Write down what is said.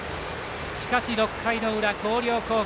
しかし６回の裏、広陵高校